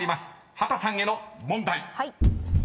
［畑さんへの問題］